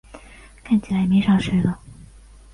看起来没啥吃的